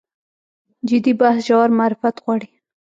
جدي بحث ژور معرفت غواړي.